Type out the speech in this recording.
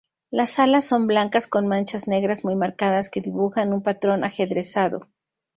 Las alas son blancas con manchas negras muy marcadas que dibujan un patrón ajedrezado.